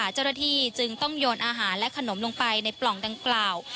เจ้าหน้าที่จึงต้องโยนอาหารและขนมลงไปในปล่องดังกล่าว